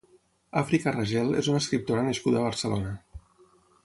Àfrica Ragel és una escriptora nascuda a Barcelona.